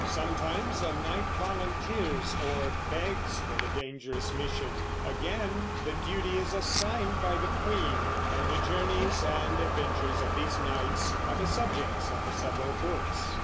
Sometimes a knight volunteers or begs for the dangerous mission; again the duty is assigned by the queen; and the journeys and adventures of these knights are the subjects of the several books.